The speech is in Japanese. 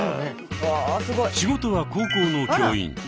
仕事は高校の教員。